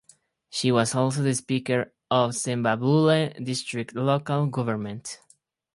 She was also the speaker of Sembabule District Local Government.